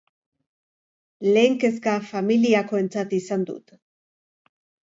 Lehen kezka familiakoentzat izan dut.